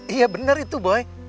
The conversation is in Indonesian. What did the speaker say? iya bener itu boy